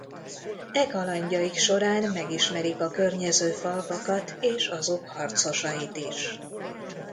E kalandjaik során megismerik a környező falvakat és azok harcosait is.